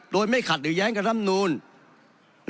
โดยไม่ขัดหรือแย้งกับร่ำนูล